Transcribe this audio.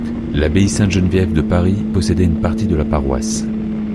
L'abbaye Sainte-Geneviève de Paris possédait une partie de la paroisse.